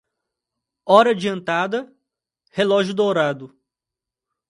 Hora adiantada, relógio dourado.